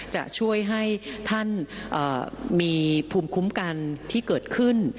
จะช่วยให้ท่านมีภูมิคุ้มกันที่เกิดขึ้น